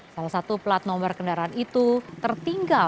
salah satu plat nomor kendaraan itu tertinggal